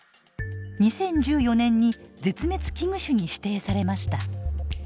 ２０１４年に絶滅危惧種に指定されました。